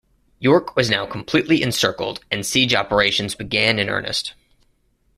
York was now completely encircled and siege operations began in earnest.